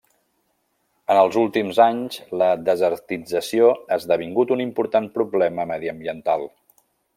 En els últims anys, la desertització ha esdevingut un important problema mediambiental.